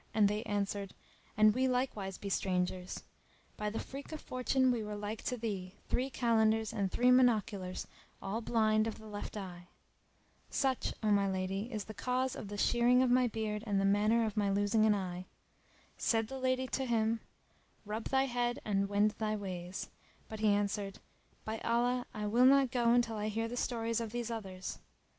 and they answered, "And we likewise be strangers!" By the freak of Fortune we were like to like, three Kalandars and three monoculars all blind of the left eye. Such, O my lady, is the cause of the shearing of my beard and the manner of my losing an eye. Said the lady to him, "Rub thy head and wend thy ways;" but he answered, "By Allah, I will not go until I hear the stories of these others."